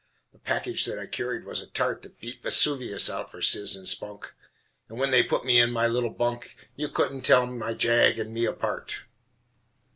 The package that I carried was a tart That beat Vesuvius out for sizz and spunk, And when they put me in my little bunk You couldn't tell my jag and me apart.